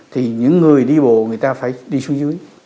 thì những người đi bộ người ta phải đi xuống dưới